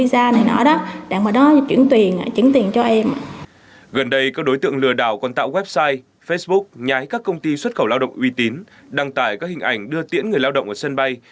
gần đây các đối tượng lừa đảo còn tạo website facebook nhái các công ty xuất khẩu lao động uy tín đăng tải các hình ảnh đưa tiễn người lao động ở sân bay